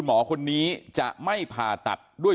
อันนี้มันต้องมีเครื่องชีพในกรณีที่มันเกิดเหตุวิกฤตจริงเนี่ย